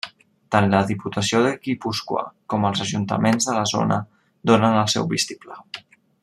Tant la diputació de Guipúscoa com els ajuntaments de la zona donen el seu vistiplau.